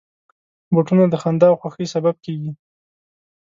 بوټونه د خندا او خوښۍ سبب کېږي.